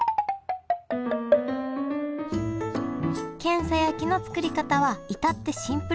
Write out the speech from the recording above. けんさ焼きの作り方は至ってシンプルです。